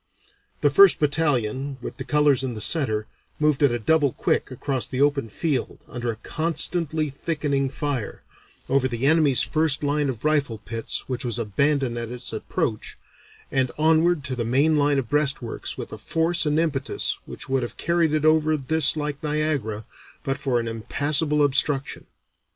The first battalion, with the colors in the center, moved at a double quick across the open field under a constantly thickening fire, over the enemy's first line of rifle pits which was abandoned at its approach, and onward to the main line of breastworks with a force and impetus which would have carried it over this like Niagara but for an impassable obstruction.